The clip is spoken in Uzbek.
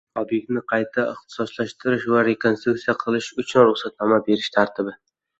Ob’ektni qayta ixtisoslashtirish va rekonstruksiya qilish uchun ruxsatnoma berish tartibi